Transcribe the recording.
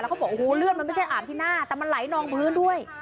เขาบอกโอ้โหเลือดมันไม่ใช่อาบที่หน้าแต่มันไหลนองพื้นด้วย